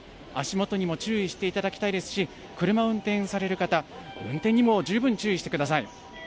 足元にも注意していただきたいですし、車を運転される方、運転にも十分注意してください。